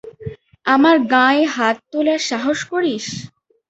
আমার গাঁ-য়ে হাত তোলার সাহস করিস?